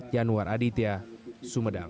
yanuar aditya sumedang